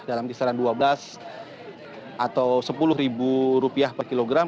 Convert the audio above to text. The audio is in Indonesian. dalam kisaran dua belas atau sepuluh rupiah per kilogram